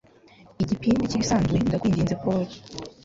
Igipindi cyibisanzwe ndakwinginze, Paul